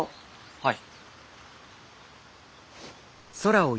はい。